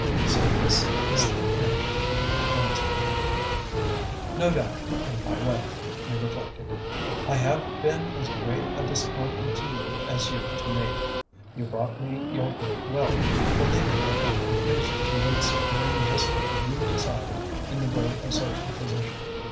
"So this is the end," she answered. "No doubt, in my way," he reflected, "I have been as great a disappointment to you as you to me. You brought me your great wealth, believing that I could use it towards securing just what you desired in the way of social position.